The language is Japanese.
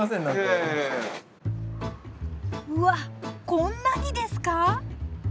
うわこんなにですか？